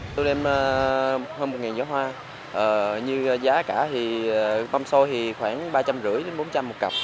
tụi em hơn một gió hoa như giá cả thì băm xôi khoảng ba trăm năm mươi bốn trăm linh một cặp